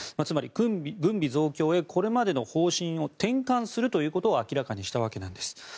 つまり軍備増強へこれまでの方針を転換するということを明らかにしたわけなんです。